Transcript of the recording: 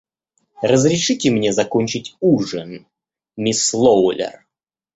Разрешите мне закончить ужин, мисс Лоулер.